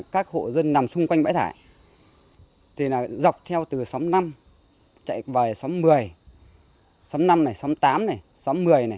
các hộ dân nằm xung quanh bãi thải dọc theo từ xóm năm xóm một mươi xóm năm xóm tám xóm một mươi xóm một mươi hai xóm một mươi ba